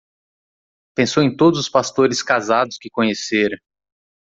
Pensou em todos os pastores casados que conhecera.